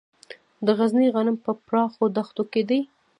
د غزني غنم په پراخو دښتو کې دي.